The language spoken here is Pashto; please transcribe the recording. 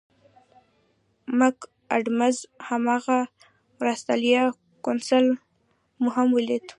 مک اډمز هماغه مرستیال کونسل مو هم ولید.